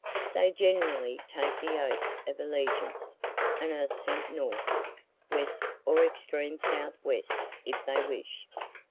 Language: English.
They generally take the oath of allegiance, and are sent north, west, or extreme south west if they wish.